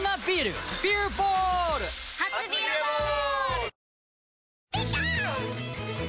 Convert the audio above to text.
初「ビアボール」！